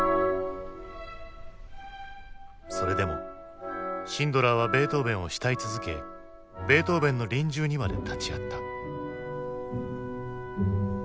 それでもシンドラーはベートーヴェンを慕い続けベートーヴェンの臨終にまで立ち会った。